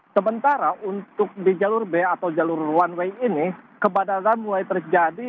sementara untuk di jalur b atau jalur one way ini kepadatan mulai terjadi